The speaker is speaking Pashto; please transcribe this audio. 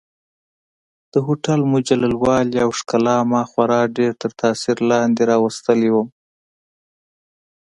د هوټل مجلل والي او ښکلا ما خورا ډېر تر تاثیر لاندې راوستلی وم.